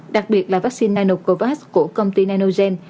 đặc biệt là vaccine nanocovax của công ty ninogen